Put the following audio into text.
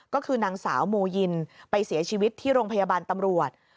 ก็คือนางสาวโมยินไปเสียชีวิตที่โรงพยาบาลตำรวจ